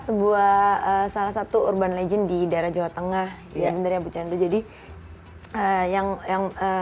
sebuah salah satu urban legend di daerah jawa tengah iya bener ya bu chandra jadi yang yang